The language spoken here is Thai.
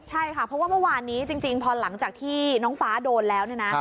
ใช่ค่ะเพราะว่าเมื่อวานนี้จริงพอหลังจากที่น้องฟ้าโดนแล้วเนี่ยนะ